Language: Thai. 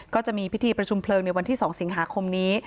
ก็จะมีพิธีประชุมเพลิงในวันที่๒สิงหาคมนี้